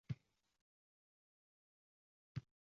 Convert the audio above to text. Hech ham uyqum kelmaydi.